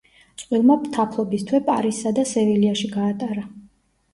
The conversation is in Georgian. წყვილმა თაფლობის თვე პარიზსა და სევილიაში გაატარა.